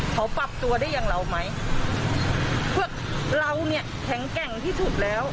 เขาปรับตัวได้อย่างเราไหมพวกเราเนี่ยแข็งแกร่งที่สุดแล้ว